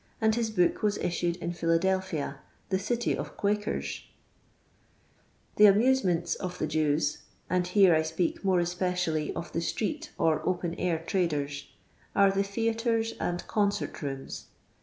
and his book was issued in Philadelphia, the city of Quakers I The Amusements of the Jews — and hero I speak more especially of the street or open air traders — are the theatres and concert rooms.